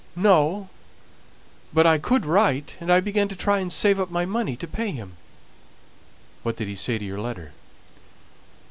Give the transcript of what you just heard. "No, but I could write; and I began to try and save up my money to pay him." "What did he say to your letter?"